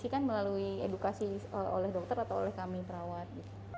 pastikan melalui edukasi oleh dokter atau oleh kami perawat